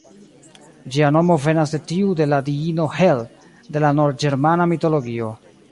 Ĝia nomo venas de tiu de la diino Hel, de la nord-ĝermana mitologio.